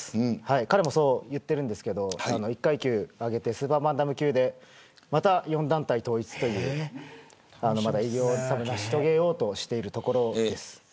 彼もそう言ってるんですけど１階級上げてスーパーバンタム級でまた４団体統一という偉業を成し遂げようとしているところです。